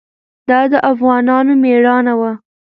دا د افغانانو مېړانه وه.